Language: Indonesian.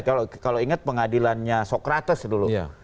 kalau ingat pengadilannya sokrates dulu